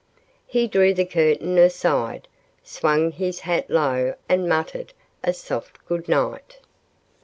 He drew the curtain aside, swung his hat low and muttered a soft goodnight.